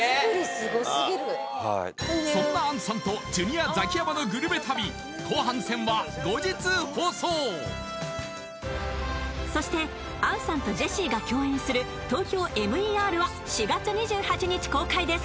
すごすぎるそんな杏さんとジュニアザキヤマのグルメ旅後半戦は後日放送そして杏さんとジェシーが共演する「ＴＯＫＹＯＭＥＲ」は４月２８日公開です